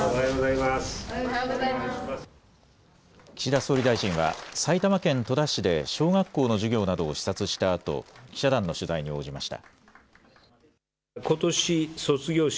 岸田総理大臣は、埼玉県戸田市で小学校の授業などを視察したあと、記者団の取材に応じました。